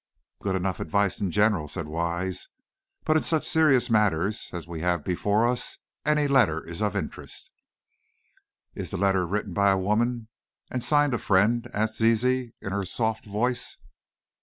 "Good enough advice, in general," said Wise; "but in such serious matters as we have before us any letter is of interest." "Is the letter written by a woman, and signed 'A Friend'?" asked Zizi in her soft voice.